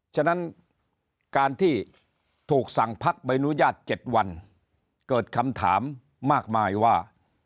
ฉะนั้นการที่ถูกสั่งพักใบอนุญาต๗วันเกิดคำถามมากมายว่า